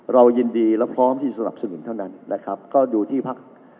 เรายินดีและพร้อมที่สนับสนุนเท่านั้นนะครับก็ดูที่พัก